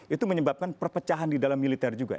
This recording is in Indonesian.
itu menyebabkan perpecahan di dalam militer juga